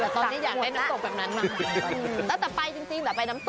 ต้องกินส้มตำเขาเหนียวไก่หญ้า